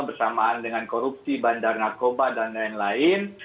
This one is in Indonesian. bersamaan dengan korupsi bandar narkoba dan lain lain